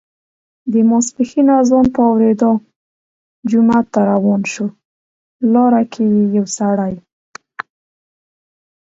د ماسپښین اذان په اوریدا جومات ته روان شو، لاره کې یې یو سړی